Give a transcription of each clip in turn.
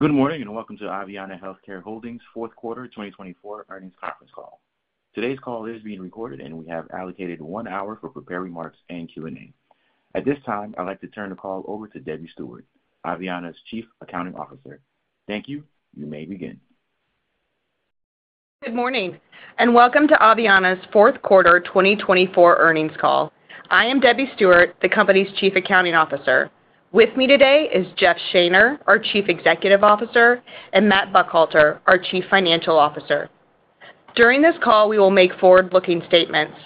Good morning and welcome to Aveanna Healthcare Holdings' fourth quarter 2024 earnings conference call. Today's call is being recorded, and we have allocated one hour for prepared remarks and Q&A. At this time, I'd like to turn the call over to Debbie Stewart, Aveanna's Chief Accounting Officer. Thank you. You may begin. Good morning and welcome to Aveanna's Fourth Quarter 2024 Earnings Call. I am Debbie Stewart, the company's Chief Accounting Officer. With me today is Jeff Shaner, our Chief Executive Officer, and Matt Buckhalter, our Chief Financial Officer. During this call, we will make forward-looking statements.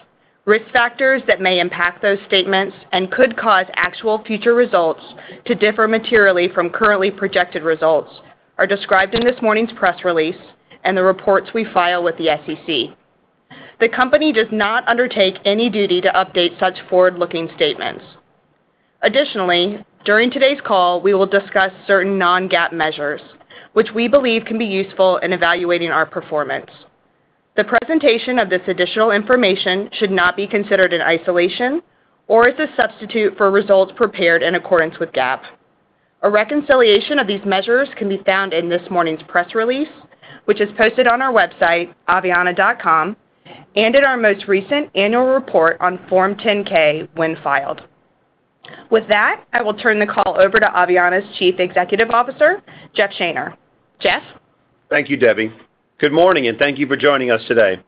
Risk factors that may impact those statements and could cause actual future results to differ materially from currently projected results are described in this morning's press release and the reports we file with the SEC. The company does not undertake any duty to update such forward-looking statements. Additionally, during today's call, we will discuss certain non-GAAP measures, which we believe can be useful in evaluating our performance. The presentation of this additional information should not be considered in isolation or as a substitute for results prepared in accordance with GAAP. A reconciliation of these measures can be found in this morning's press release, which is posted on our website, aveanna.com, and in our most recent annual report on Form 10-K when filed. With that, I will turn the call over to Aveanna's Chief Executive Officer, Jeff Shaner. Jeff? Thank you, Debbie. Good morning, and thank you for joining us today.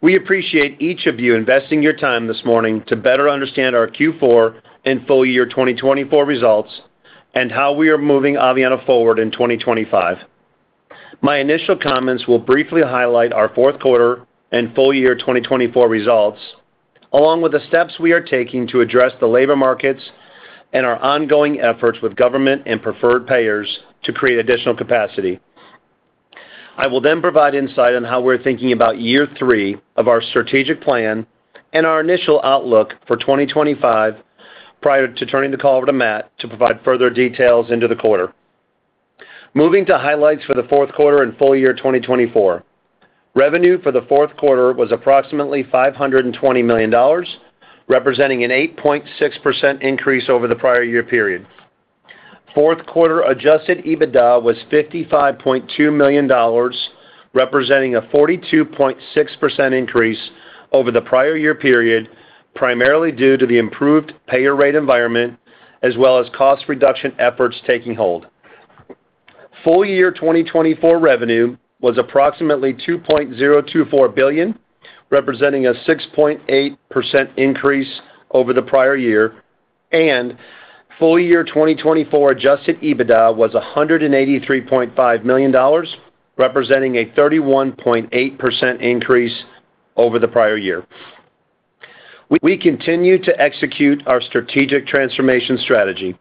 We appreciate each of you investing your time this morning to better understand our Q4 and full year 2024 results and how we are moving Aveanna forward in 2025. My initial comments will briefly highlight our fourth quarter and full year 2024 results, along with the steps we are taking to address the labor markets and our ongoing efforts with government and preferred payers to create additional capacity. I will then provide insight on how we're thinking about year three of our strategic plan and our initial outlook for 2025 prior to turning the call over to Matt to provide further details into the quarter. Moving to highlights for the fourth quarter and full year 2024, revenue for the fourth quarter was approximately $520 million, representing an 8.6% increase over the prior year period. Fourth quarter adjusted EBITDA was $55.2 million, representing a 42.6% increase over the prior year period, primarily due to the improved payer rate environment as well as cost reduction efforts taking hold. Full year 2024 revenue was approximately $2.024 billion, representing a 6.8% increase over the prior year, and full year 2024 adjusted EBITDA was $183.5 million, representing a 31.8% increase over the prior year. We continue to execute our strategic transformation strategy,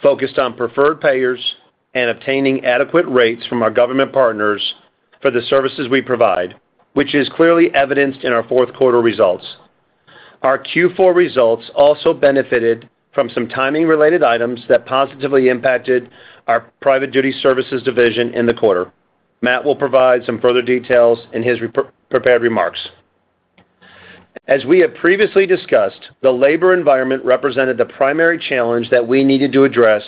focused on preferred payers and obtaining adequate rates from our government partners for the services we provide, which is clearly evidenced in our fourth quarter results. Our Q4 results also benefited from some timing-related items that positively impacted our private duty services division in the quarter. Matt will provide some further details in his prepared remarks. As we have previously discussed, the labor environment represented the primary challenge that we needed to address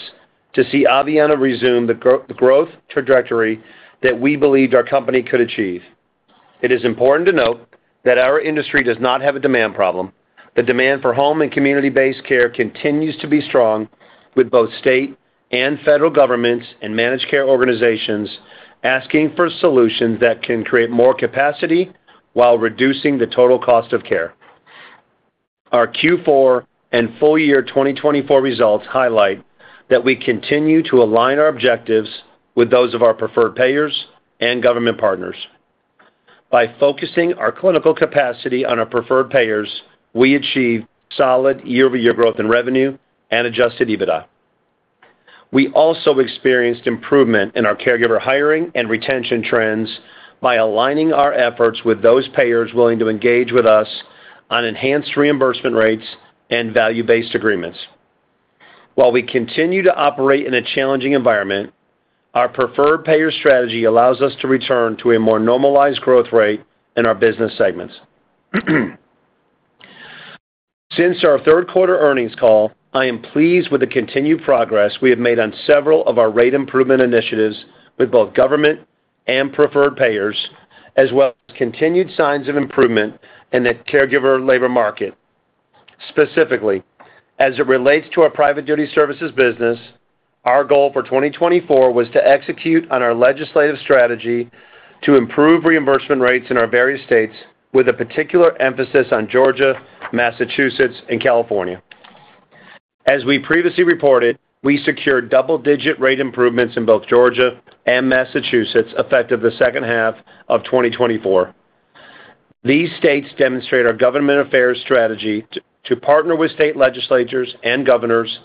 to see Aveanna resume the growth trajectory that we believed our company could achieve. It is important to note that our industry does not have a demand problem. The demand for home and community-based care continues to be strong, with both state and federal governments and managed care organizations asking for solutions that can create more capacity while reducing the total cost of care. Our Q4 and full year 2024 results highlight that we continue to align our objectives with those of our preferred payers and government partners. By focusing our clinical capacity on our preferred payers, we achieved solid year-over-year growth in revenue and adjusted EBITDA. We also experienced improvement in our caregiver hiring and retention trends by aligning our efforts with those payers willing to engage with us on enhanced reimbursement rates and value-based agreements. While we continue to operate in a challenging environment, our preferred payer strategy allows us to return to a more normalized growth rate in our business segments. Since our third quarter earnings call, I am pleased with the continued progress we have made on several of our rate improvement initiatives with both government and preferred payers, as well as continued signs of improvement in the caregiver labor market. Specifically, as it relates to our private duty services business, our goal for 2024 was to execute on our legislative strategy to improve reimbursement rates in our various states, with a particular emphasis on Georgia, Massachusetts, and California. As we previously reported, we secured double-digit rate improvements in both Georgia and Massachusetts effective the second half of 2024. These states demonstrate our government affairs strategy to partner with state legislatures and governors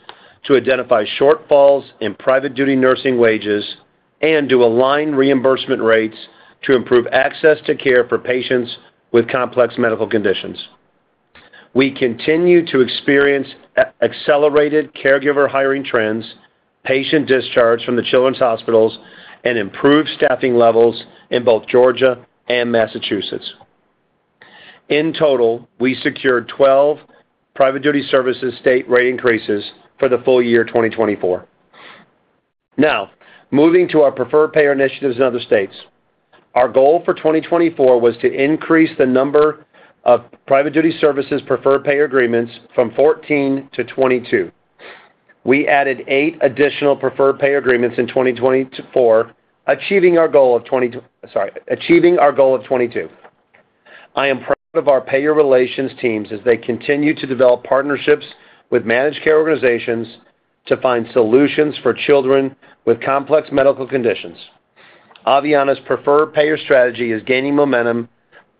to identify shortfalls in private duty nursing wages and to align reimbursement rates to improve access to care for patients with complex medical conditions. We continue to experience accelerated caregiver hiring trends, patient discharge from the children's hospitals, and improved staffing levels in both Georgia and Massachusetts. In total, we secured 12 private duty services state rate increases for the full year 2024. Now, moving to our preferred payer initiatives in other states. Our goal for 2024 was to increase the number of private duty services preferred payer agreements from 14 to 22. We added eight additional preferred payer agreements in 2024, achieving our goal of 20, sorry, achieving our goal of 22. I am proud of our payer relations teams as they continue to develop partnerships with managed care organizations to find solutions for children with complex medical conditions. Aveanna's preferred payer strategy is gaining momentum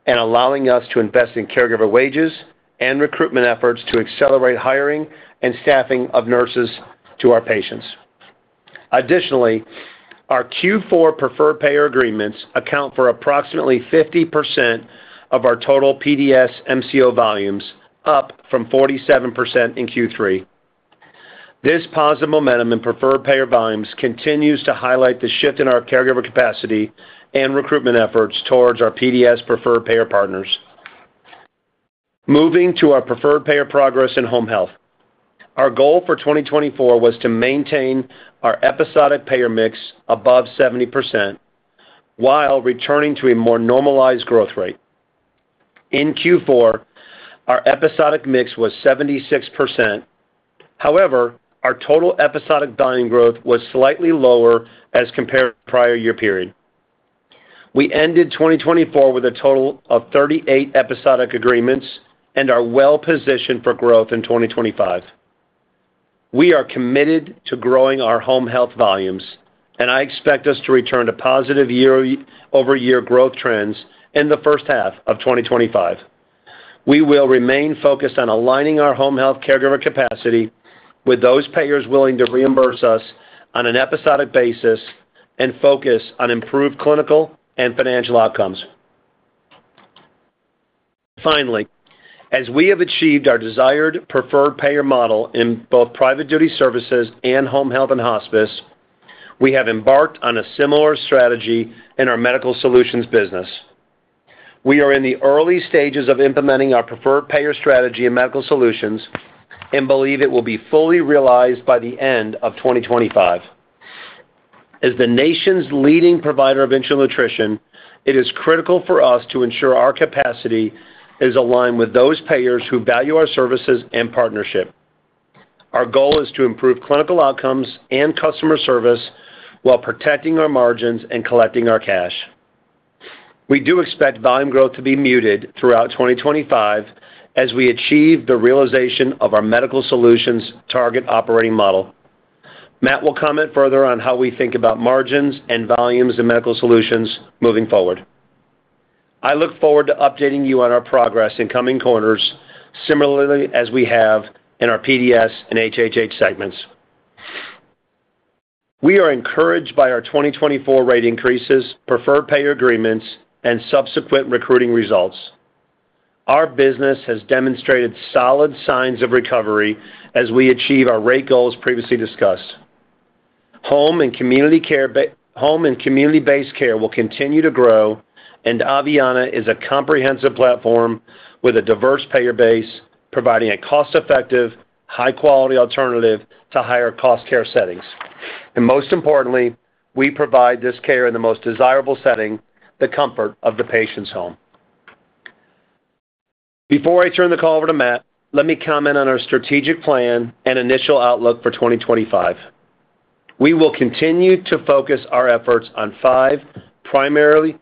and allowing us to invest in caregiver wages and recruitment efforts to accelerate hiring and staffing of nurses to our patients. Additionally, our Q4 preferred payer agreements account for approximately 50% of our total PDS MCO volumes, up from 47% in Q3. This positive momentum in preferred payer volumes continues to highlight the shift in our caregiver capacity and recruitment efforts towards our PDS preferred payer partners. Moving to our preferred payer progress in home health. Our goal for 2024 was to maintain our episodic payer mix above 70% while returning to a more normalized growth rate. In Q4, our episodic mix was 76%. However, our total episodic volume growth was slightly lower as compared to the prior year period. We ended 2024 with a total of 38 episodic agreements and are well-positioned for growth in 2025. We are committed to growing our home health volumes, and I expect us to return to positive year-over-year growth trends in the first half of 2025. We will remain focused on aligning our home health caregiver capacity with those payers willing to reimburse us on an episodic basis and focus on improved clinical and financial outcomes. Finally, as we have achieved our desired preferred payer model in both private duty services and home health and hospice, we have embarked on a similar strategy in our medical solutions business. We are in the early stages of implementing our preferred payer strategy in medical solutions and believe it will be fully realized by the end of 2025. As the nation's leading provider of enteral nutrition, it is critical for us to ensure our capacity is aligned with those payers who value our services and partnership. Our goal is to improve clinical outcomes and customer service while protecting our margins and collecting our cash. We do expect volume growth to be muted throughout 2025 as we achieve the realization of our medical solutions target operating model. Matt will comment further on how we think about margins and volumes in medical solutions moving forward. I look forward to updating you on our progress in coming quarters, similarly as we have in our PDS and HHH segments. We are encouraged by our 2024 rate increases, preferred payer agreements, and subsequent recruiting results. Our business has demonstrated solid signs of recovery as we achieve our rate goals previously discussed. Home and community-based care will continue to grow, and Aveanna is a comprehensive platform with a diverse payer base, providing a cost-effective, high-quality alternative to higher-cost care settings. Most importantly, we provide this care in the most desirable setting, the comfort of the patient's home. Before I turn the call over to Matt, let me comment on our strategic plan and initial outlook for 2025. We will continue to focus our efforts on five primary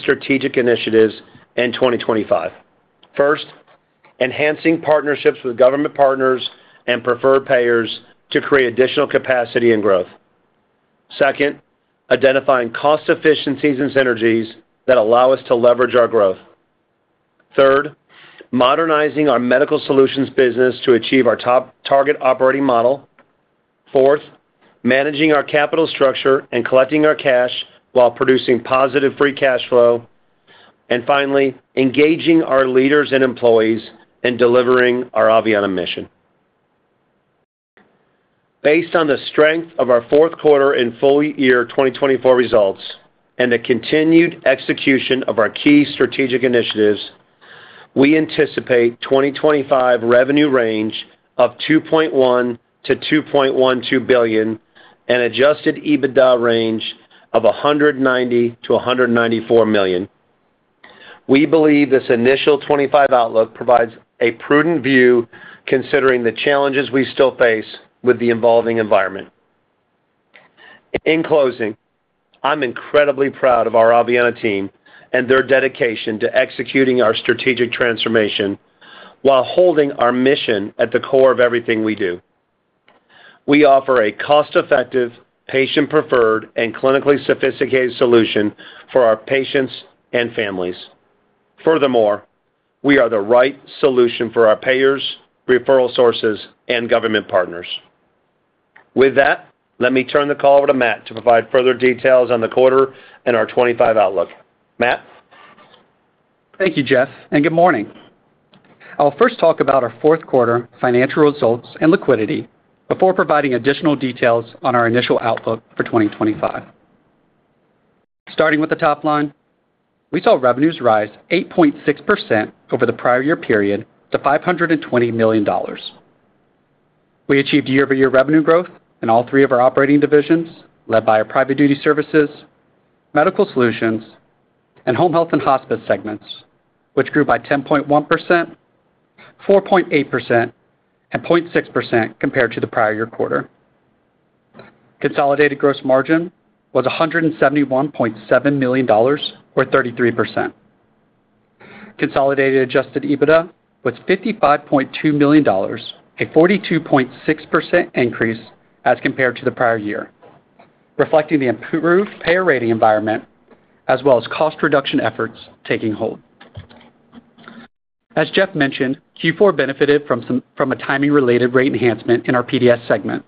strategic initiatives in 2025. First, enhancing partnerships with government partners and preferred payers to create additional capacity and growth. Second, identifying cost efficiencies and synergies that allow us to leverage our growth. Third, modernizing our medical solutions business to achieve our target operating model. Fourth, managing our capital structure and collecting our cash while producing positive free cash flow. Finally, engaging our leaders and employees in delivering our Aveanna mission. Based on the strength of our fourth quarter and full year 2024 results and the continued execution of our key strategic initiatives, we anticipate 2025 revenue range of $2.1 billion-$2.12 billion and adjusted EBITDA range of $190 million-$194 million. We believe this initial 2025 outlook provides a prudent view considering the challenges we still face with the evolving environment. In closing, I'm incredibly proud of our Aveanna team and their dedication to executing our strategic transformation while holding our mission at the core of everything we do. We offer a cost-effective, patient-preferred, and clinically sophisticated solution for our patients and families. Furthermore, we are the right solution for our payers, referral sources, and government partners. With that, let me turn the call over to Matt to provide further details on the quarter and our 2025 outlook. Matt? Thank you, Jeff, and good morning. I'll first talk about our fourth quarter financial results and liquidity before providing additional details on our initial outlook for 2025. Starting with the top line, we saw revenues rise 8.6% over the prior year period to $520 million. We achieved year-over-year revenue growth in all three of our operating divisions led by our private duty services, medical solutions, and home health and hospice segments, which grew by 10.1%, 4.8%, and 0.6% compared to the prior year quarter. Consolidated gross margin was $171.7 million, or 33%. Consolidated adjusted EBITDA was $55.2 million, a 42.6% increase as compared to the prior year, reflecting the improved payer rating environment as well as cost reduction efforts taking hold. As Jeff mentioned, Q4 benefited from a timing-related rate enhancement in our PDS segment,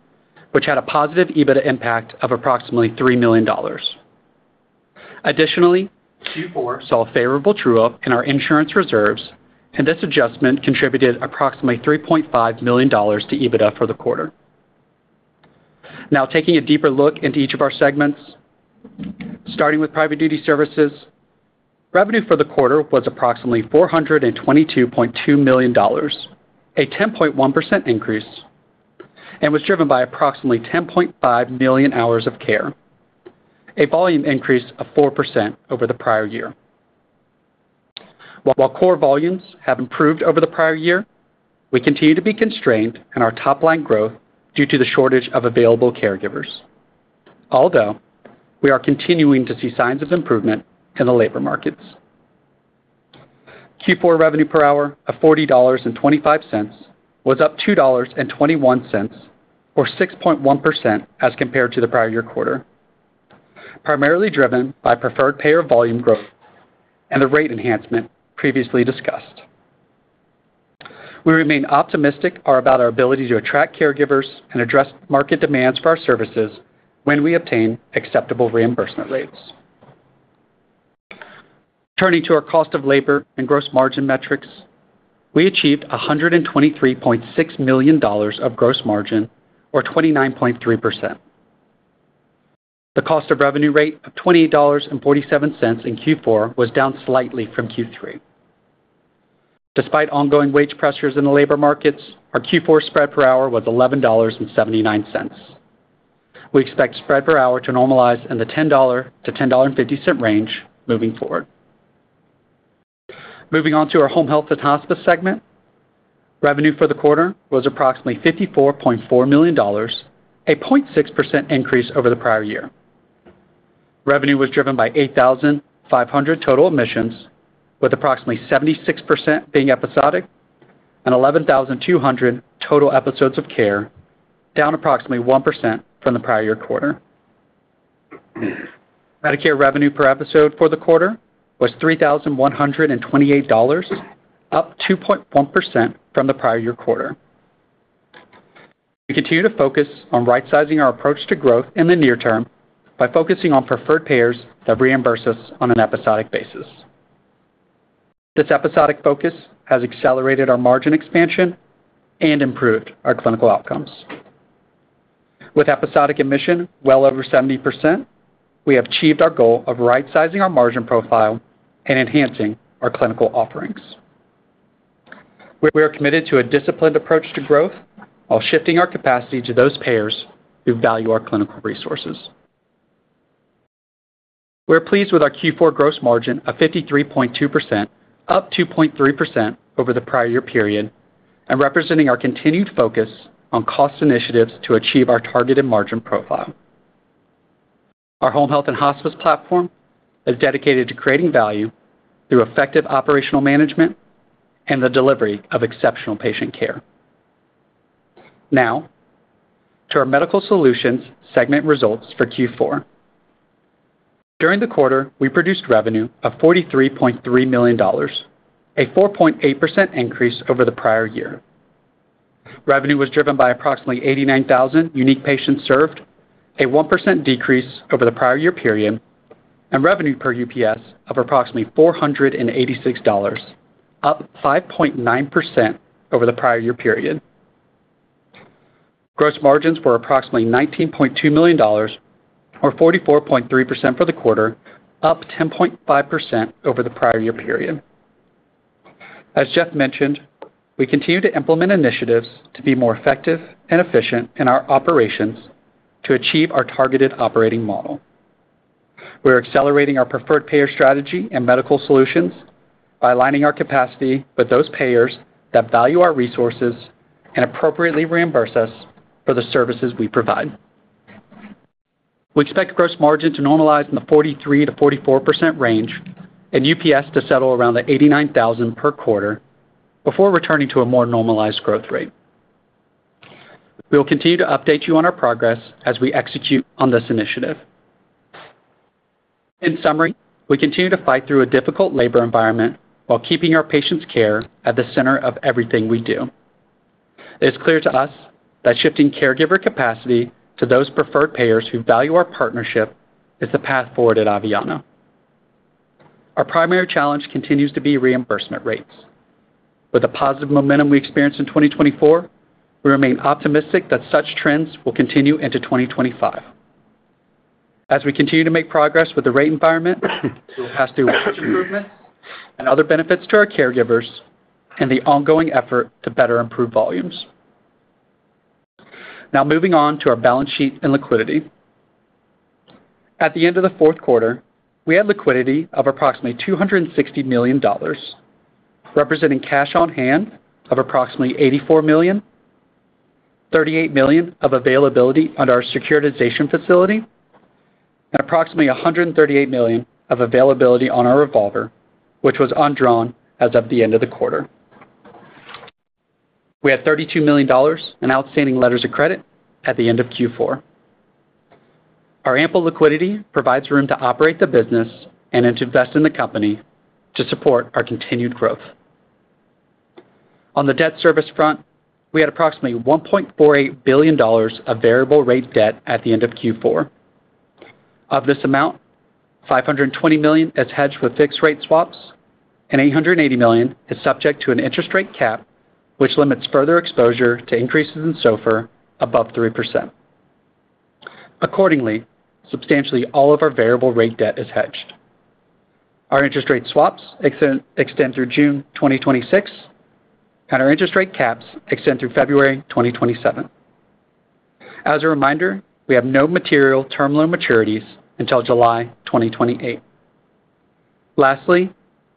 which had a positive EBITDA impact of approximately $3 million. Additionally, Q4 saw a favorable true-up in our insurance reserves, and this adjustment contributed approximately $3.5 million to EBITDA for the quarter. Now, taking a deeper look into each of our segments, starting with Private Duty Services, revenue for the quarter was approximately $422.2 million, a 10.1% increase, and was driven by approximately 10.5 million hours of care, a volume increase of 4% over the prior year. While core volumes have improved over the prior year, we continue to be constrained in our top-line growth due to the shortage of available caregivers, although we are continuing to see signs of improvement in the labor markets. Q4 revenue per hour of $40.25 was up $2.21, or 6.1% as compared to the prior year quarter, primarily driven by preferred payer volume growth and the rate enhancement previously discussed. We remain optimistic about our ability to attract caregivers and address market demands for our services when we obtain acceptable reimbursement rates. Turning to our cost of labor and gross margin metrics, we achieved $123.6 million of gross margin, or 29.3%. The cost of revenue rate of $28.47 in Q4 was down slightly from Q3. Despite ongoing wage pressures in the labor markets, our Q4 spread per hour was $11.79. We expect spread per hour to normalize in the $10-$10.50 range moving forward. Moving on to our home health and hospice segment, revenue for the quarter was approximately $54.4 million, a 0.6% increase over the prior year. Revenue was driven by 8,500 total admissions, with approximately 76% being episodic and 11,200 total episodes of care, down approximately 1% from the prior year quarter. Medicare revenue per episode for the quarter was $3,128, up 2.1% from the prior year quarter. We continue to focus on right-sizing our approach to growth in the near term by focusing on preferred payers that reimburse us on an episodic basis. This episodic focus has accelerated our margin expansion and improved our clinical outcomes. With episodic admission well over 70%, we have achieved our goal of right-sizing our margin profile and enhancing our clinical offerings. We are committed to a disciplined approach to growth while shifting our capacity to those payers who value our clinical resources. We are pleased with our Q4 gross margin of 53.2%, up 2.3% over the prior year period, and representing our continued focus on cost initiatives to achieve our targeted margin profile. Our home health and hospice platform is dedicated to creating value through effective operational management and the delivery of exceptional patient care. Now, to our medical solutions segment results for Q4. During the quarter, we produced revenue of $43.3 million, a 4.8% increase over the prior year. Revenue was driven by approximately 89,000 unique patients served, a 1% decrease over the prior year period, and revenue per UPS of approximately $486, up 5.9% over the prior year period. Gross margins were approximately $19.2 million, or 44.3% for the quarter, up 10.5% over the prior year period. As Jeff mentioned, we continue to implement initiatives to be more effective and efficient in our operations to achieve our targeted operating model. We are accelerating our preferred payer strategy in medical solutions by aligning our capacity with those payers that value our resources and appropriately reimburse us for the services we provide. We expect gross margin to normalize in the 43-44% range and UPS to settle around the 89,000 per quarter before returning to a more normalized growth rate. We will continue to update you on our progress as we execute on this initiative. In summary, we continue to fight through a difficult labor environment while keeping our patients' care at the center of everything we do. It is clear to us that shifting caregiver capacity to those preferred payers who value our partnership is the path forward at Aveanna. Our primary challenge continues to be reimbursement rates. With the positive momentum we experienced in 2024, we remain optimistic that such trends will continue into 2025. As we continue to make progress with the rate environment, we will pass through improvements and other benefits to our caregivers and the ongoing effort to better improve volumes. Now, moving on to our balance sheet and liquidity. At the end of the fourth quarter, we had liquidity of approximately $260 million, representing cash on hand of approximately $84 million, $38 million of availability under our securitization facility, and approximately $138 million of availability on our revolver, which was undrawn as of the end of the quarter. We had $32 million in outstanding letters of credit at the end of Q4. Our ample liquidity provides room to operate the business and to invest in the company to support our continued growth. On the debt service front, we had approximately $1.48 billion of variable rate debt at the end of Q4. Of this amount, $520 million is hedged with fixed rate swaps, and $880 million is subject to an interest rate cap, which limits further exposure to increases in SOFR above 3%. Accordingly, substantially all of our variable rate debt is hedged. Our interest rate swaps extend through June 2026, and our interest rate caps extend through February 2027. As a reminder, we have no material term loan maturities until July 2028. Lastly,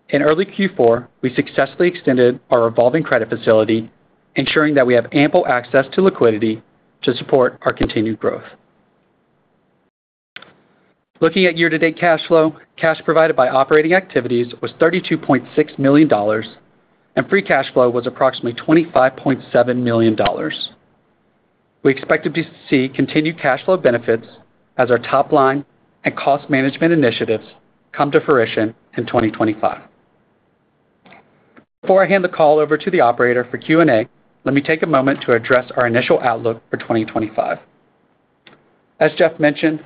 in early Q4, we successfully extended our revolving credit facility, ensuring that we have ample access to liquidity to support our continued growth. Looking at year-to-date cash flow, cash provided by operating activities was $32.6 million, and free cash flow was approximately $25.7 million. We expect to see continued cash flow benefits as our top-line and cost management initiatives come to fruition in 2025. Before I hand the call over to the operator for Q&A, let me take a moment to address our initial outlook for 2025. As Jeff mentioned,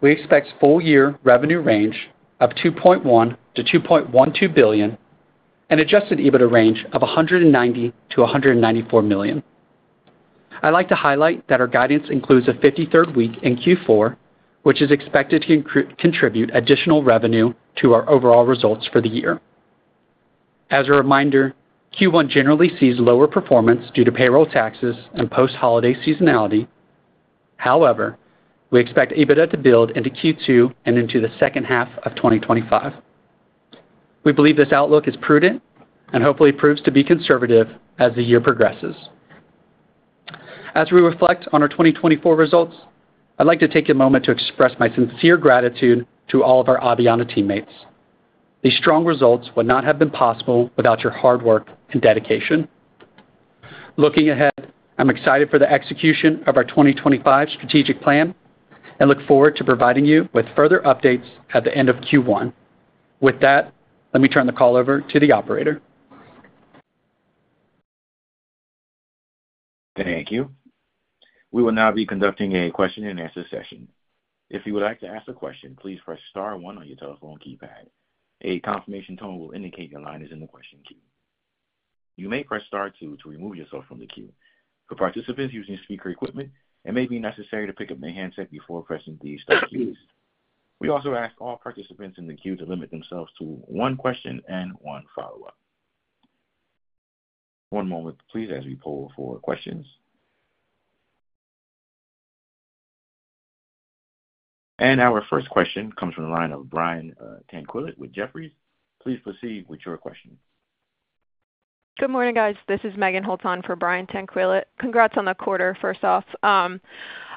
we expect full year revenue range of $2.1 billion-$2.12 billion and adjusted EBITDA range of $190 million-$194 million. I'd like to highlight that our guidance includes a 53rd week in Q4, which is expected to contribute additional revenue to our overall results for the year. As a reminder, Q1 generally sees lower performance due to payroll taxes and post-holiday seasonality. However, we expect EBITDA to build into Q2 and into the second half of 2025. We believe this outlook is prudent and hopefully proves to be conservative as the year progresses. As we reflect on our 2024 results, I'd like to take a moment to express my sincere gratitude to all of our Aveanna teammates. These strong results would not have been possible without your hard work and dedication. Looking ahead, I'm excited for the execution of our 2025 strategic plan and look forward to providing you with further updates at the end of Q1. With that, let me turn the call over to the operator. Thank you. We will now be conducting a question-and-answer session. If you would like to ask a question, please press *1 on your telephone keypad. A confirmation tone will indicate your line is in the question queue. You may press *2 to remove yourself from the queue. For participants using speaker equipment, it may be necessary to pick up a handset before pressing the *2. We also ask all participants in the queue to limit themselves to one question and one follow-up. One moment, please, as we pull forward questions. Our first question comes from the line of Brian Tanquilut with Jefferies. Please proceed with your question. Good morning, guys. This is Megan Holtz on for Brian Tanquilut. Congrats on the quarter, first off.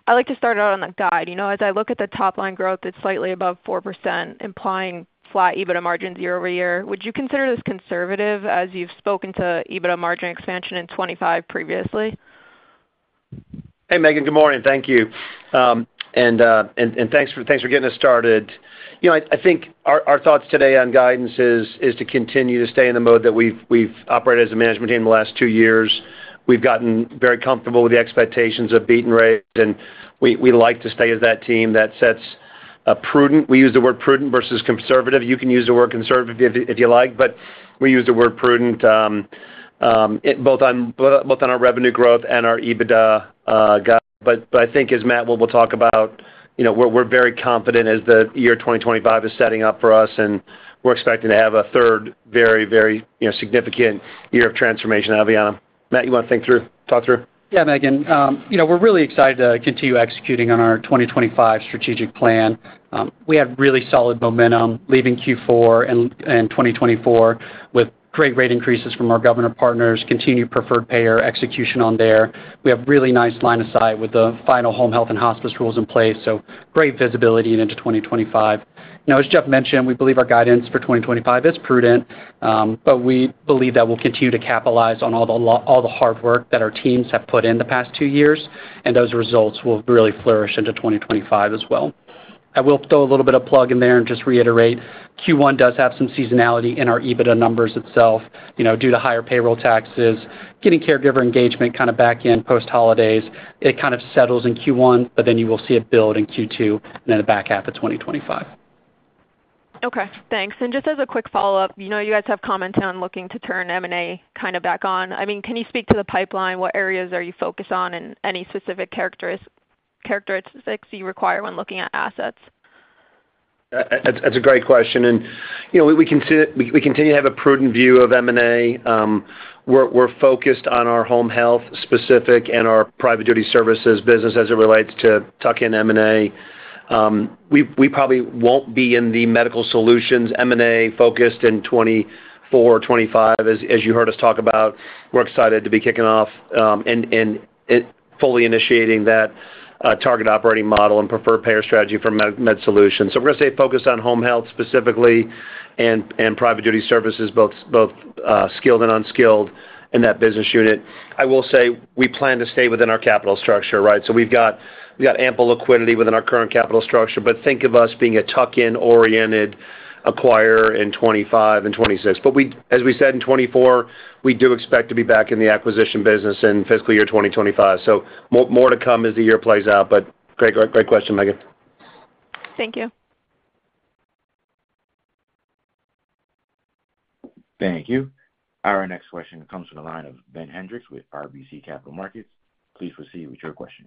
I'd like to start out on the guide. As I look at the top-line growth, it's slightly above 4%, implying flat EBITDA margin year-over-year. Would you consider this conservative as you've spoken to EBITDA margin expansion in 2025 previously? Hey, Megan. Good morning. Thank you. Thank you for getting us started. I think our thoughts today on guidance is to continue to stay in the mode that we've operated as a management team the last two years. We've gotten very comfortable with the expectations of beating rates, and we like to stay as that team that sets a prudent—we use the word prudent versus conservative. You can use the word conservative if you like, but we use the word prudent both on our revenue growth and our EBITDA guide. I think, as Matt will talk about, we're very confident as the year 2025 is setting up for us, and we're expecting to have a third very, very significant year of transformation at Aveanna. Matt, you want to think through, talk through? Yeah, Megan. We're really excited to continue executing on our 2025 strategic plan. We have really solid momentum leaving Q4 and 2024 with great rate increases from our governor partners, continued preferred payer execution on there. We have really nice line of sight with the final home health and hospice rules in place, so great visibility into 2025. Now, as Jeff mentioned, we believe our guidance for 2025 is prudent, but we believe that we'll continue to capitalize on all the hard work that our teams have put in the past two years, and those results will really flourish into 2025 as well. I will throw a little bit of plug in there and just reiterate, Q1 does have some seasonality in our EBITDA numbers itself due to higher payroll taxes. Getting caregiver engagement kind of back in post-holidays, it kind of settles in Q1, but then you will see it build in Q2 and in the back half of 2025. Okay. Thanks. Just as a quick follow-up, you guys have commented on looking to turn M&A kind of back on. I mean, can you speak to the pipeline? What areas are you focused on and any specific characteristics you require when looking at assets? That's a great question. We continue to have a prudent view of M&A. We're focused on our home health specific and our private duty services business as it relates to tuck-in M&A. We probably won't be in the medical solutions M&A focused in 2024 or 2025, as you heard us talk about. We're excited to be kicking off and fully initiating that target operating model and preferred payer strategy for med solutions. We're going to stay focused on home health specifically and private duty services, both skilled and unskilled in that business unit. I will say we plan to stay within our capital structure, right? We've got ample liquidity within our current capital structure, but think of us being a tuck-in-oriented acquirer in 2025 and 2026. As we said in 2024, we do expect to be back in the acquisition business in fiscal year 2025. More to come as the year plays out, but great question, Megan. Thank you. Thank you. Our next question comes from the line of Ben Hendrix with RBC Capital Markets. Please proceed with your question.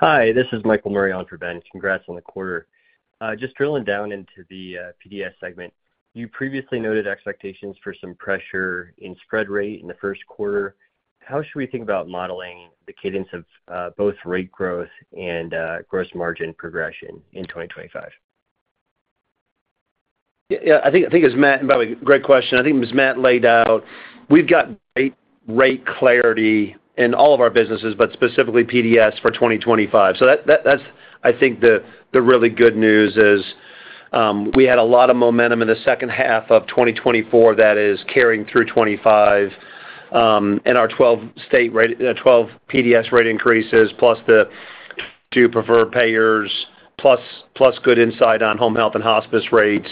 Hi. This is Michael Murray on for Ben. Congrats on the quarter. Just drilling down into the PDS segment, you previously noted expectations for some pressure in spread rate in the first quarter. How should we think about modeling the cadence of both rate growth and gross margin progression in 2025? Yeah. I think it was Matt, and by the way, great question. I think as Matt laid out, we've got rate clarity in all of our businesses, but specifically PDS for 2025. I think the really good news is we had a lot of momentum in the second half of 2024 that is carrying through 2025. Our 12 PDS rate increases plus the two preferred payers plus good insight on home health and hospice rates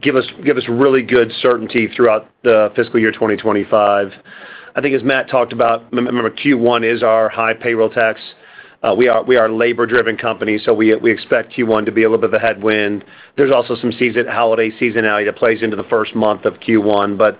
give us really good certainty throughout the fiscal year 2025. I think, as Matt talked about, remember, Q1 is our high payroll tax. We are a labor-driven company, so we expect Q1 to be a little bit of a headwind. There is also some holiday seasonality that plays into the first month of Q1.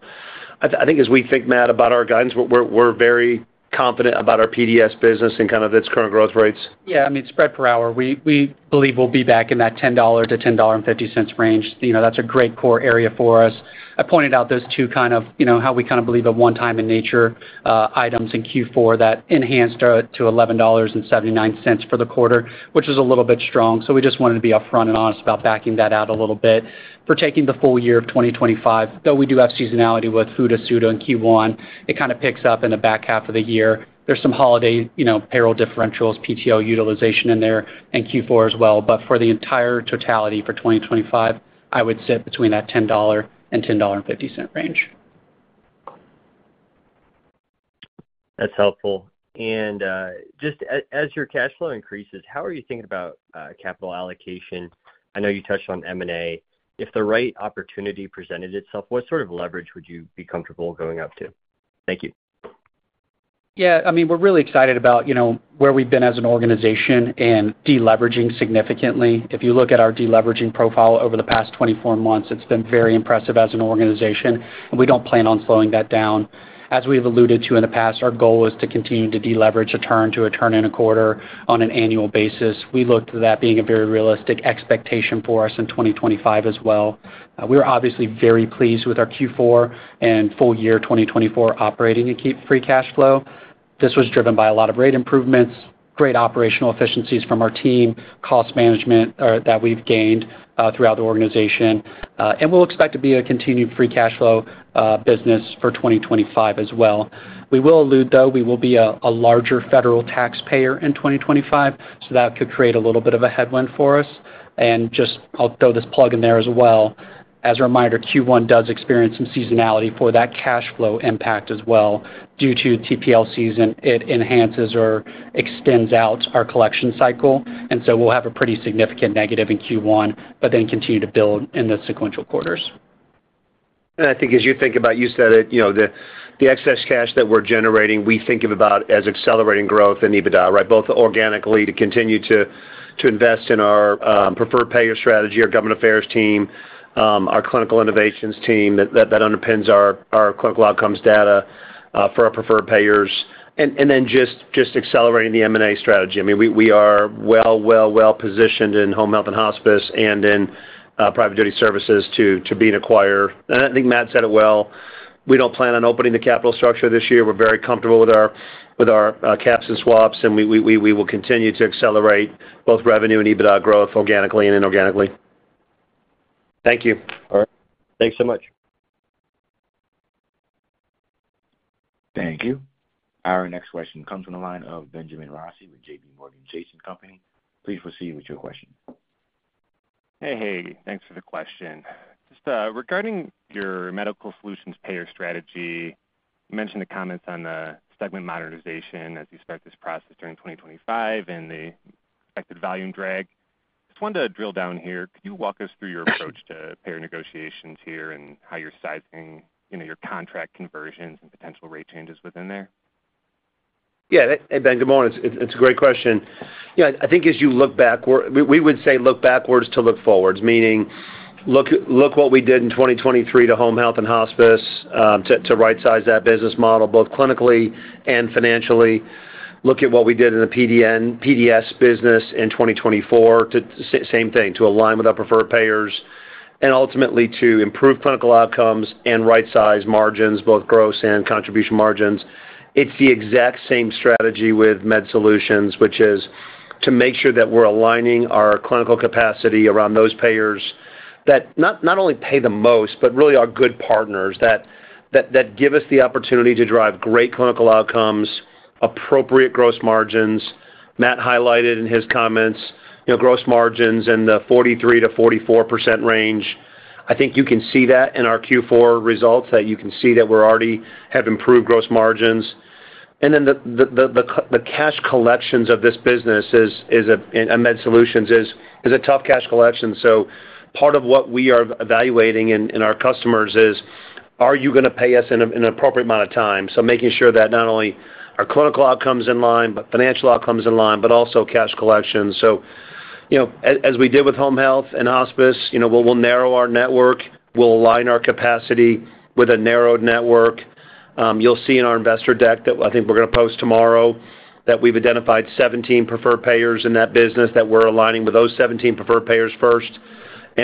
I think, as we think, Matt, about our guidance, we're very confident about our PDS business and kind of its current growth rates. Yeah. I mean, spread per hour, we believe we'll be back in that $10-$10.50 range. That's a great core area for us. I pointed out those two, kind of how we kind of believe the one-time-in-nature items in Q4 that enhanced to $11.79 for the quarter, which was a little bit strong. We just wanted to be upfront and honest about backing that out a little bit for taking the full year of 2025. Though we do have seasonality with FUTA/SUTA in Q1, it kind of picks up in the back half of the year. There are some holiday payroll differentials, PTO utilization in there, and Q4 as well. For the entire totality for 2025, I would sit between that $10-$10.50 range. That's helpful. Just as your cash flow increases, how are you thinking about capital allocation? I know you touched on M&A. If the right opportunity presented itself, what sort of leverage would you be comfortable going up to? Thank you. Yeah. I mean, we're really excited about where we've been as an organization and deleveraging significantly. If you look at our deleveraging profile over the past 24 months, it's been very impressive as an organization, and we don't plan on slowing that down. As we've alluded to in the past, our goal is to continue to deleverage a turn to a turn and a quarter on an annual basis. We look to that being a very realistic expectation for us in 2025 as well. We are obviously very pleased with our Q4 and full year 2024 operating and key free cash flow. This was driven by a lot of rate improvements, great operational efficiencies from our team, cost management that we've gained throughout the organization. We expect to be a continued free cash flow business for 2025 as well. We will allude, though, we will be a larger federal taxpayer in 2025, so that could create a little bit of a headwind for us. I'll throw this plug in there as well. As a reminder, Q1 does experience some seasonality for that cash flow impact as well. Due to TPL season, it enhances or extends out our collection cycle. We will have a pretty significant negative in Q1, but then continue to build in the sequential quarters. I think as you think about, you said it, the excess cash that we're generating, we think of about as accelerating growth and EBITDA, right? Both organically to continue to invest in our preferred payer strategy, our government affairs team, our clinical innovations team that underpins our clinical outcomes data for our preferred payers. Then just accelerating the M&A strategy. I mean, we are well, well, well positioned in home health and hospice and in private duty services to be an acquirer. I think Matt said it well. We do not plan on opening the capital structure this year. We are very comfortable with our caps and swaps, and we will continue to accelerate both revenue and EBITDA growth organically and inorganically. Thank you. All right. Thanks so much. Thank you. Our next question comes from the line of Benjamin Rossi with JPMorgan Chase & Co.. Please proceed with your question. Hey, hey. Thanks for the question. Just regarding your medical solutions payer strategy, you mentioned the comments on the segment modernization as you start this process during 2025 and the expected volume drag. Just wanted to drill down here. Could you walk us through your approach to payer negotiations here and how you're sizing your contract conversions and potential rate changes within there? Yeah. Hey, Benjamin. It's a great question. I think as you look back, we would say look backwards to look forwards, meaning look what we did in 2023 to home health and hospice to right-size that business model both clinically and financially. Look at what we did in the PDS business in 2024, same thing, to align with our preferred payers and ultimately to improve clinical outcomes and right-size margins, both gross and contribution margins. It's the exact same strategy with med solutions, which is to make sure that we're aligning our clinical capacity around those payers that not only pay the most, but really are good partners that give us the opportunity to drive great clinical outcomes, appropriate gross margins. Matt highlighted in his comments gross margins in the 43-44% range. I think you can see that in our Q4 results that you can see that we already have improved gross margins. The cash collections of this business in a med solutions is a tough cash collection. Part of what we are evaluating in our customers is, are you going to pay us in an appropriate amount of time? Making sure that not only are clinical outcomes in line, but financial outcomes in line, but also cash collections. As we did with home health and hospice, we'll narrow our network. We'll align our capacity with a narrowed network. You'll see in our investor deck that I think we're going to post tomorrow that we've identified 17 preferred payers in that business that we're aligning with those 17 preferred payers first.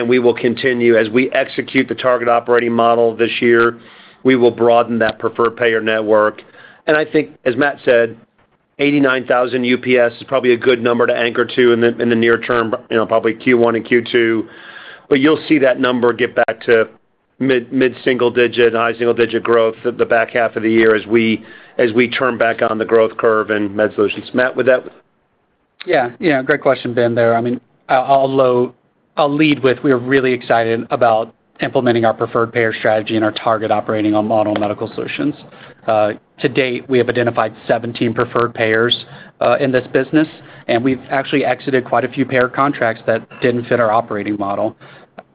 We will continue as we execute the target operating model this year. We will broaden that preferred payer network. I think, as Matt said, 89,000 UPS is probably a good number to anchor to in the near term, probably Q1 and Q2. You will see that number get back to mid-single-digit, high-single-digit growth the back half of the year as we turn back on the growth curve in med solutions. Matt, with that? Yeah. Yeah. Great question, Ben, there. I mean, I'll lead with we are really excited about implementing our preferred payer strategy and our target operating model on medical solutions. To date, we have identified 17 preferred payers in this business, and we've actually exited quite a few payer contracts that didn't fit our operating model.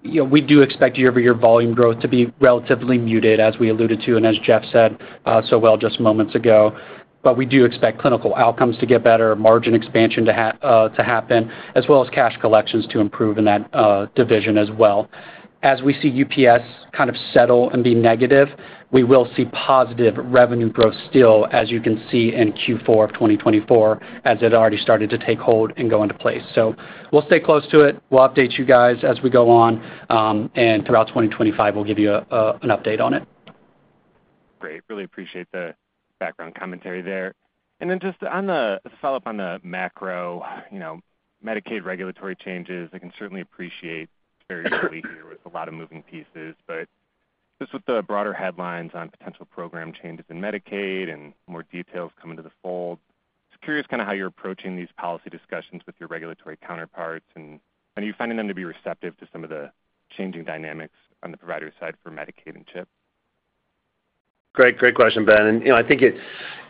We do expect year-over-year volume growth to be relatively muted, as we alluded to and as Jeff said so well just moments ago. We do expect clinical outcomes to get better, margin expansion to happen, as well as cash collections to improve in that division as well. As we see UPS kind of settle and be negative, we will see positive revenue growth still, as you can see in Q4 of 2024, as it already started to take hold and go into place. We'll stay close to it. We'll update you guys as we go on. Throughout 2025, we'll give you an update on it. Great. Really appreciate the background commentary there. Just to follow up on the macro, Medicaid regulatory changes, I can certainly appreciate very early here with a lot of moving pieces. With the broader headlines on potential program changes in Medicaid and more details coming to the fold, just curious kind of how you're approaching these policy discussions with your regulatory counterparts, and are you finding them to be receptive to some of the changing dynamics on the provider side for Medicaid and CHIP? Great. Great question, Ben. I think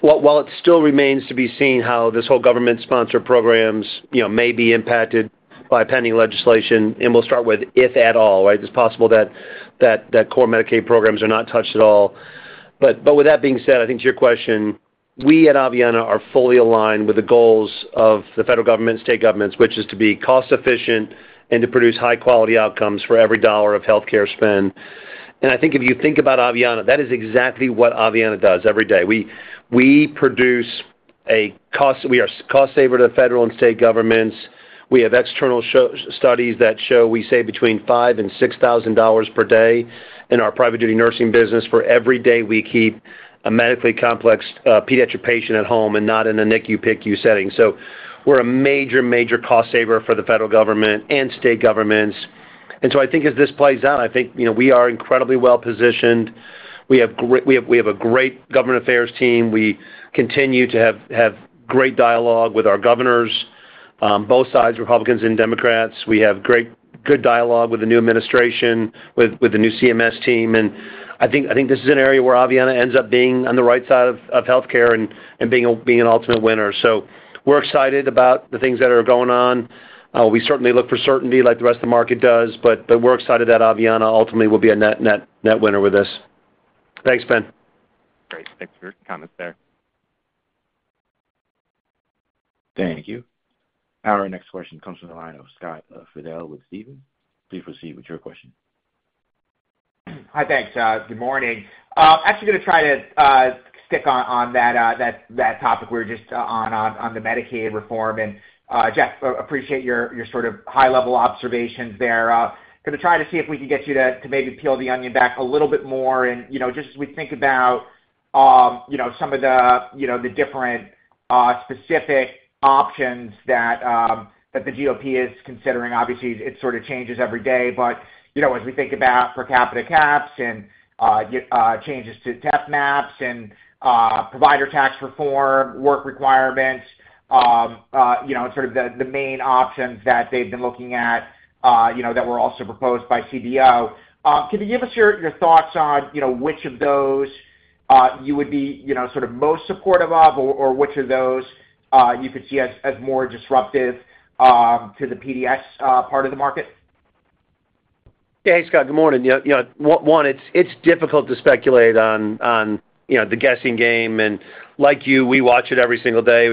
while it still remains to be seen how this whole government-sponsored programs may be impacted by pending legislation, we'll start with if at all, right? It's possible that core Medicaid programs are not touched at all. With that being said, I think to your question, we at Aveanna are fully aligned with the goals of the federal government and state governments, which is to be cost-efficient and to produce high-quality outcomes for every dollar of healthcare spend. I think if you think about Aveanna, that is exactly what Aveanna does every day. We produce a cost, we are cost-saver to federal and state governments. We have external studies that show we save between $5,000 and $6,000 per day in our private duty nursing business for every day we keep a medically complex pediatric patient at home and not in a NICU, PICU setting. We are a major, major cost-saver for the federal government and state governments. I think as this plays out, I think we are incredibly well positioned. We have a great government affairs team. We continue to have great dialogue with our governors, both sides, Republicans and Democrats. We have good dialogue with the new administration, with the new CMS team. I think this is an area where Aveanna ends up being on the right side of healthcare and being an ultimate winner. We are excited about the things that are going on. We certainly look for certainty like the rest of the market does, but we're excited that Aveanna ultimately will be a net winner with us. Thanks, Ben. Great. Thanks for your comments there. Thank you. Our next question comes from the line of Scott Fidel with Stephens. Please proceed with your question. Hi, thanks. Good morning. Actually going to try to stick on that topic we were just on, on the Medicaid reform. Jeff, appreciate your sort of high-level observations there. Going to try to see if we can get you to maybe peel the onion back a little bit more. Just as we think about some of the different specific options that the GOP is considering, obviously, it sort of changes every day. As we think about per capita caps and changes to FMAPs and provider tax reform, work requirements, and sort of the main options that they've been looking at that were also proposed by CBO, can you give us your thoughts on which of those you would be sort of most supportive of, or which of those you could see as more disruptive to the PDS part of the market? Hey, Scott, good morning. One, it's difficult to speculate on the guessing game. Like you, we watch it every single day.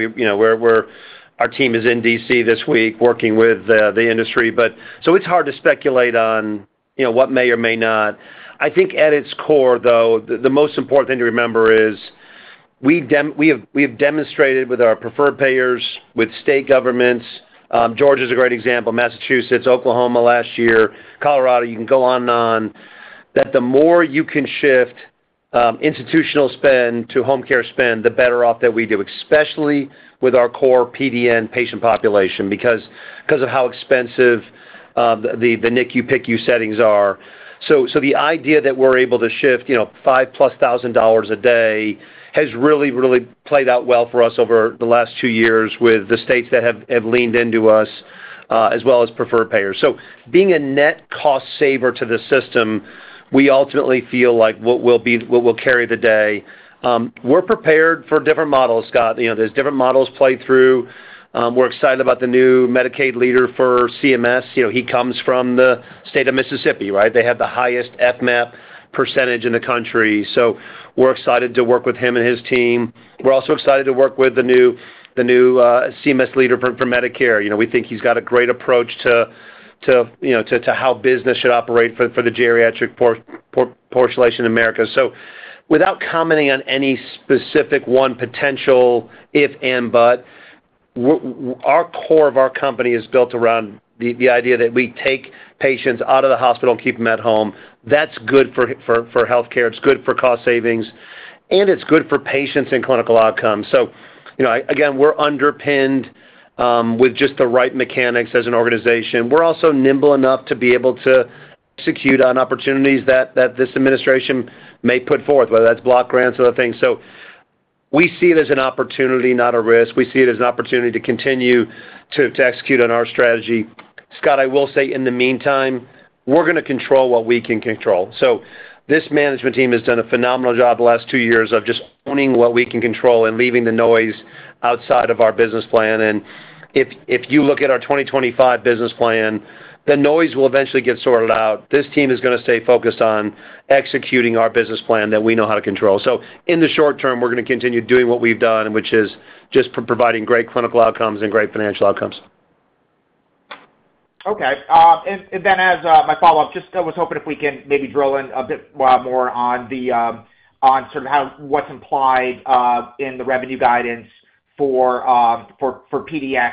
Our team is in Washington, DC this week working with the industry. It's hard to speculate on what may or may not. I think at its core, though, the most important thing to remember is we have demonstrated with our preferred payers, with state governments. Georgia is a great example, Massachusetts, Oklahoma last year, Colorado, you can go on and on, that the more you can shift institutional spend to home care spend, the better off that we do, especially with our core PDN patient population because of how expensive the NICU, PICU settings are. The idea that we're able to shift $5,000 plus a day has really, really played out well for us over the last two years with the states that have leaned into us as well as preferred payers. Being a net cost-saver to the system, we ultimately feel like what will carry the day. We're prepared for different models, Scott. There's different models play through. We're excited about the new Medicaid leader for CMS. He comes from the state of Mississippi, right? They have the highest FMAP percentage in the country. We're excited to work with him and his team. We're also excited to work with the new CMS leader for Medicare. We think he's got a great approach to how business should operate for the geriatric population in America. Without commenting on any specific one potential if and but, our core of our company is built around the idea that we take patients out of the hospital and keep them at home. That's good for healthcare. It's good for cost savings, and it's good for patients and clinical outcomes. Again, we're underpinned with just the right mechanics as an organization. We're also nimble enough to be able to execute on opportunities that this administration may put forth, whether that's block grants or other things. We see it as an opportunity, not a risk. We see it as an opportunity to continue to execute on our strategy. Scott, I will say in the meantime, we're going to control what we can control. This management team has done a phenomenal job the last two years of just owning what we can control and leaving the noise outside of our business plan. If you look at our 2025 business plan, the noise will eventually get sorted out. This team is going to stay focused on executing our business plan that we know how to control. In the short term, we're going to continue doing what we've done, which is just providing great clinical outcomes and great financial outcomes. Okay. As my follow-up, just was hoping if we can maybe drill in a bit more on sort of what's implied in the revenue guidance for PDS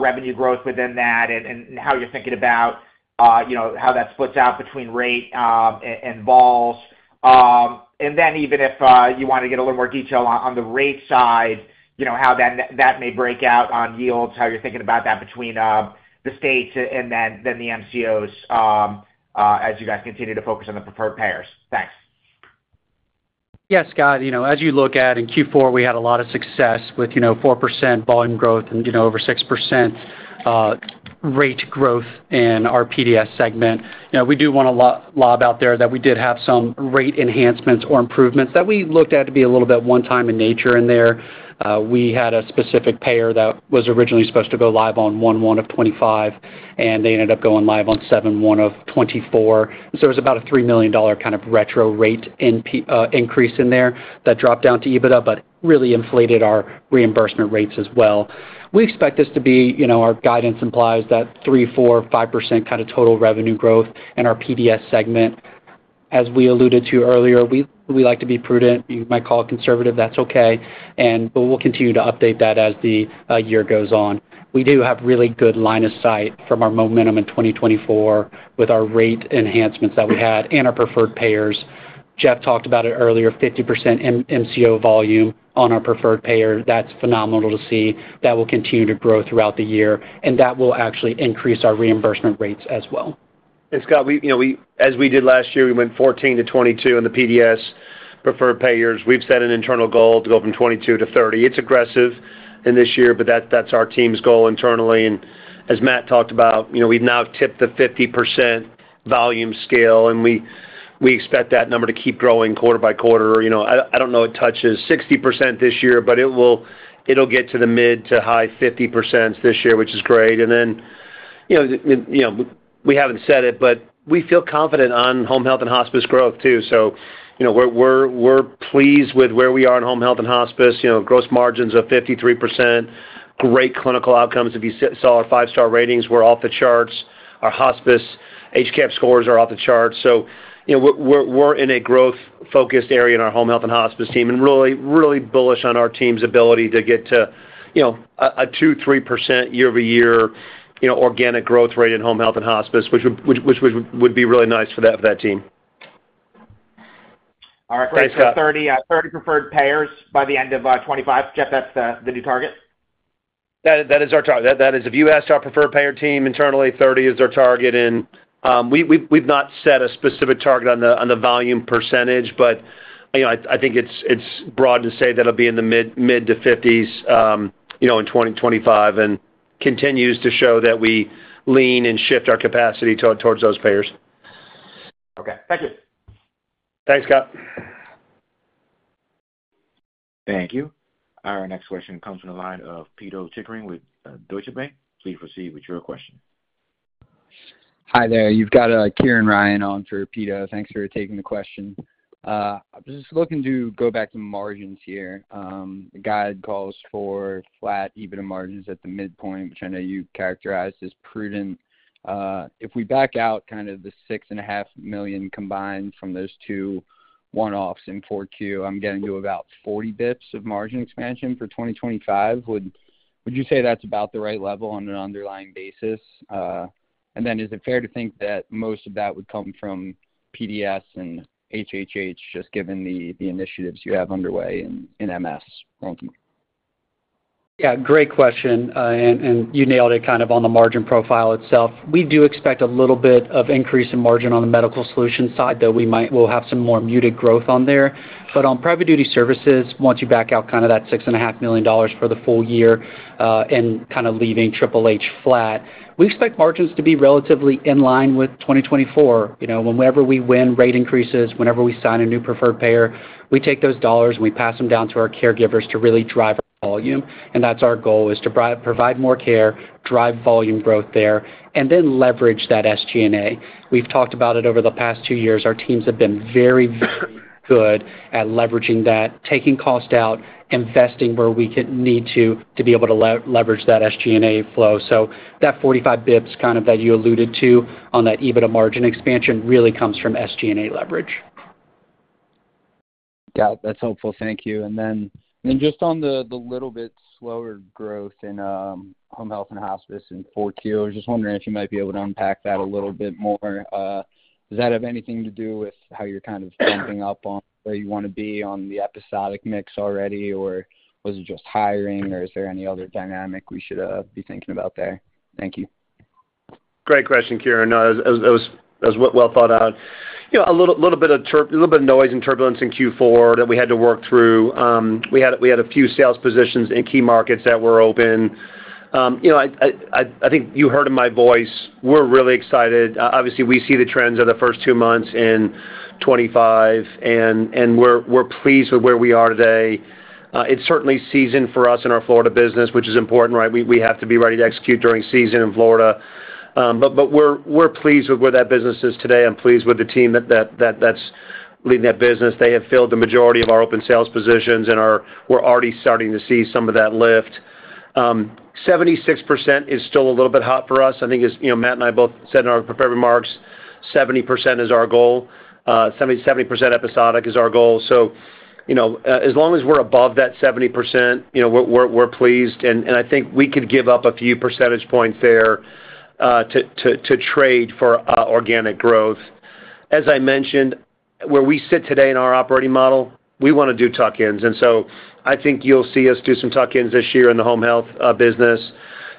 revenue growth within that and how you're thinking about how that splits out between rate and vols. Even if you want to get a little more detail on the rate side, how that may break out on yields, how you're thinking about that between the states and then the MCOs as you guys continue to focus on the preferred payers. Thanks. Yeah, Scott, as you look at in Q4, we had a lot of success with 4% volume growth and over 6% rate growth in our PDS segment. We do want to lob out there that we did have some rate enhancements or improvements that we looked at to be a little bit one-time in nature in there. We had a specific payer that was originally supposed to go live on January 1, 2025, and they ended up going live on July 1, 2024. It was about a $3 million kind of retro rate increase in there that dropped down to EBITDA, but really inflated our reimbursement rates as well. We expect this to be our guidance implies that 3-5% kind of total revenue growth in our PDS segment. As we alluded to earlier, we like to be prudent. You might call it conservative. That's okay. We will continue to update that as the year goes on. We do have really good line of sight from our momentum in 2024 with our rate enhancements that we had and our preferred payers. Jeff talked about it earlier, 50% MCO volume on our preferred payer. That is phenomenal to see. That will continue to grow throughout the year, and that will actually increase our reimbursement rates as well. Scott, as we did last year, we went 14-22 in the PDS preferred payers. We've set an internal goal to go from 22-30. It's aggressive in this year, but that's our team's goal internally. As Matt talked about, we've now tipped the 50% volume scale, and we expect that number to keep growing quarter by quarter. I don't know if it touches 60% this year, but it'll get to the mid to high 50% this year, which is great. We haven't said it, but we feel confident on home health and hospice growth too. We're pleased with where we are in home health and hospice. Gross margins of 53%, great clinical outcomes. If you saw our five-star ratings, we're off the charts. Our hospice HCAHPS scores are off the charts. We're in a growth-focused area in our home health and hospice team and really, really bullish on our team's ability to get to a 2-3% year-over-year organic growth rate in home health and hospice, which would be really nice for that team. All right. Great. So 30 preferred payers by the end of 2025. Jeff, that's the new target? That is our target. That is, if you asked our preferred payer team internally, 30 is our target. We have not set a specific target on the volume percentage, but I think it is broad to say that it will be in the mid to 50s in 2025 and continues to show that we lean and shift our capacity towards those payers. Okay. Thank you. Thanks, Scott. Thank you. Our next question comes from the line of Pito Chickering with Deutsche Bank. Please proceed with your question. Hi there. You've got Kieran Ryan on for Pito. Thanks for taking the question. I'm just looking to go back to margins here. The guide calls for flat EBITDA margins at the midpoint, which I know you characterized as prudent. If we back out kind of the $6.5 million combined from those two one-offs in Q4, I'm getting to about 40 basis points of margin expansion for 2025. Would you say that's about the right level on an underlying basis? Is it fair to think that most of that would come from PDS and HHH, just given the initiatives you have underway in MS? Thank you. Yeah. Great question. You nailed it kind of on the margin profile itself. We do expect a little bit of increase in margin on the medical solution side, though we will have some more muted growth on there. On private duty services, once you back out kind of that $6.5 million for the full year and kind of leaving Triple H flat, we expect margins to be relatively in line with 2024. Whenever we win rate increases, whenever we sign a new preferred payer, we take those dollars and we pass them down to our caregivers to really drive volume. That's our goal, to provide more care, drive volume growth there, and then leverage that SG&A. We've talked about it over the past two years. Our teams have been very, very good at leveraging that, taking cost out, investing where we need to to be able to leverage that SG&A flow. That 45 basis points kind of that you alluded to on that EBITDA margin expansion really comes from SG&A leverage. Got it. That's helpful. Thank you. Just on the little bit slower growth in home health and hospice in Q4, I was just wondering if you might be able to unpack that a little bit more. Does that have anything to do with how you're kind of ramping up on where you want to be on the episodic mix already, or was it just hiring, or is there any other dynamic we should be thinking about there? Thank you. Great question, Kieran. That was well thought out. A little bit of noise and turbulence in Q4 that we had to work through. We had a few sales positions in key markets that were open. I think you heard in my voice, we're really excited. Obviously, we see the trends of the first two months in 2025, and we're pleased with where we are today. It's certainly season for us in our Florida business, which is important, right? We have to be ready to execute during season in Florida. We are pleased with where that business is today. I'm pleased with the team that's leading that business. They have filled the majority of our open sales positions, and we're already starting to see some of that lift. 76% is still a little bit hot for us. I think, as Matt and I both said in our prepared remarks, 70% is our goal. 70% episodic is our goal. As long as we're above that 70%, we're pleased. I think we could give up a few percentage points there to trade for organic growth. As I mentioned, where we sit today in our operating model, we want to do tuck-ins. I think you'll see us do some tuck-ins this year in the home health business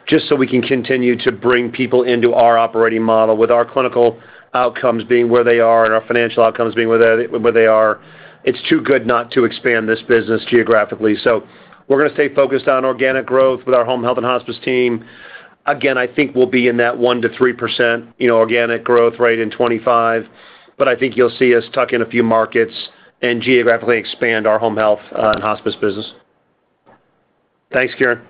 just so we can continue to bring people into our operating model with our clinical outcomes being where they are and our financial outcomes being where they are.It's too good not to expand this business geographically. We are going to stay focused on organic growth with our home health and hospice team. Again, I think we'll be in that 1-3% organic growth rate in 2025, but I think you'll see us tuck in a few markets and geographically expand our home health and hospice business. Thanks, Kieran.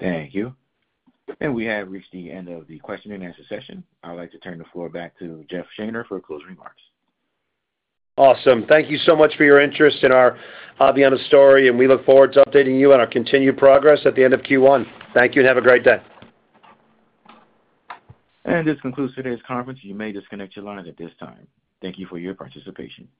Thank you. We have reached the end of the question and answer session. I'd like to turn the floor back to Jeff Shaner for closing remarks. Awesome. Thank you so much for your interest in our Aveanna story, and we look forward to updating you on our continued progress at the end of Q1. Thank you and have a great day. This concludes today's conference. You may disconnect your lines at this time. Thank you for your participation.